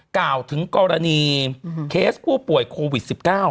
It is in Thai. กล่าวถึงกรณีเคสผู้ป่วยโควิด๑๙